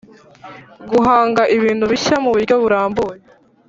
Guhanga ibintu bishya mu buryo burambye